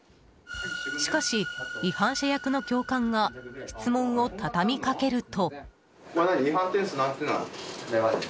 しかし、違反者役の教官が質問を畳みかけると。